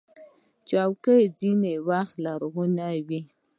چوکۍ ځینې وخت لرغونې وي.